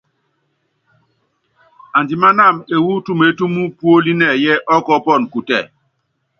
Andimánáma ewú tumeétúmu póli nɛyɛ ɔ́kɔɔ́pɔnɔ kutɛ.